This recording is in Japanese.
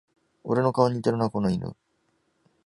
俺の顔に似てるな、この犬